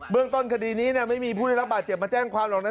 เบื้องต้นคดีนี้เนี่ยไม่มีผู้ที่รักบาดเจ็บมาแจ้งความหลอก